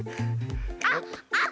あっあっ！